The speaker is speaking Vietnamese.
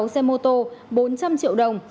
bốn mươi sáu xe mô tô bốn trăm linh triệu đồng